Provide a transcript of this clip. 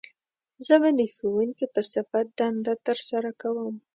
زه به د ښوونکي په صفت دنده تر سره کووم